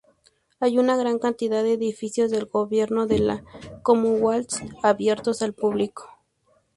Hay una gran cantidad de edificios del gobierno de la Commonwealth abiertos al público.